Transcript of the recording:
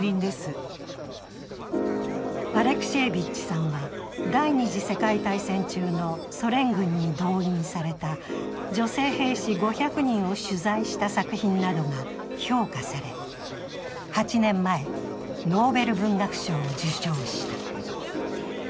アレクシエーヴィッチさんは第二次世界大戦中のソ連軍に動員された女性兵士５００人を取材した作品などが評価され、８年前、ノーベル文学賞を受賞した。